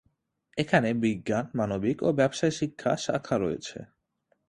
এখানে বিজ্ঞান, মানবিক ও ব্যবসা শিক্ষা শাখা রয়েছে।